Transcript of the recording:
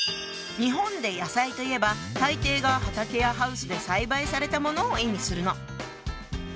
日本で「野菜」といえば大抵が畑やハウスで栽培されたものを意味するの。